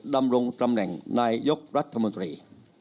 ดำรงตำแหน่งนายยกรัฐมนตรี